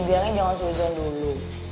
biarin jangan seuzon dulu